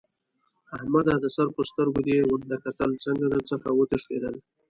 احمده! د سر په سترګو دې ورته کتل؛ څنګه در څخه وتښتېدل؟!